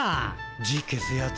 字消すやつ？